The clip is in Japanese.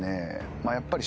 まあやっぱり。